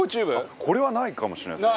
これは、ないかもしれないですね